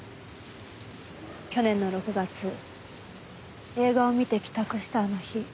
去年の６月映画を観て帰宅したあの日。